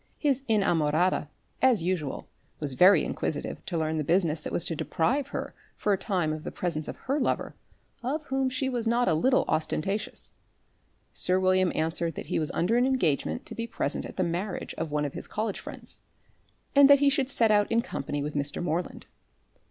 His inamorata, as usual, was very inquisitive to learn the business that was to deprive her for a time of the presence of a lover, of whom she was not a little ostentatious. Sir William answered that he was under an engagement to be present at the marriage of one of his college friends, and that he should set out in company with Mr. Moreland.